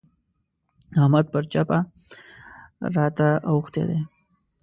احمد پر چپه راته اوښتلی دی.